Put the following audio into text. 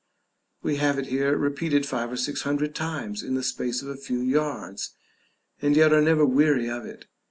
We have it here repeated five or six hundred times in the space of a few yards, and yet are never weary of it.